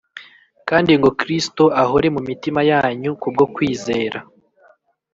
kandi ngo Kristo ahore mu mitima yanyu ku bwo kwizera,